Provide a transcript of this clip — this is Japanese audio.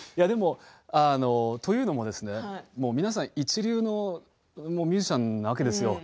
というのも皆さん、一流のミュージシャンなわけですよ。